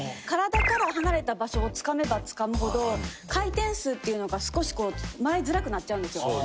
体から離れた場所をつかめばつかむほど回転数っていうのが、少し回りづらくなっちゃうんですよ。